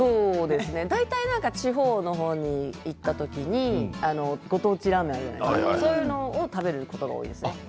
大体地方の方に行った時にご当地ラーメンがあるじゃないですか、そういうものを食べることが多いですね。